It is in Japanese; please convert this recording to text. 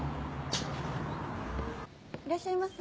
いらっしゃいませ。